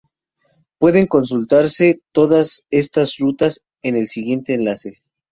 Pueden consultarse todas estas rutas en el siguiente enlace